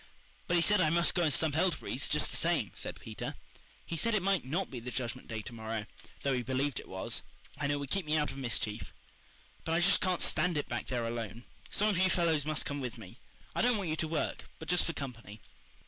"But he said I must go and stump elderberries just the same" said Peter. "He said it might NOT be the Judgment Day to morrow, though he believed it was, and it would keep me out of mischief. But I just can't stand it back there alone. Some of you fellows must come with me. I don't want you to work, but just for company."